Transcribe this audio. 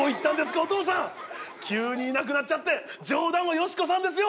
急にいなくなっちゃって冗談はよしこさんですよ！